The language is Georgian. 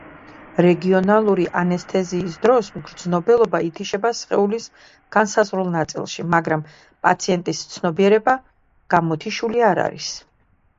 რეგიონული ანესთეზიის დროს მგრძნობელობა ითიშება სხეულის განსაზღვრულ ნაწილში, მაგრამ პაციენტის ცნობიერება გამოთიშული არ არის.